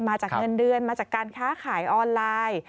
มาจากเงินเดือนมาจากการค้าขายออนไลน์